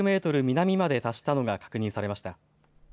南まで達したのが確認されました。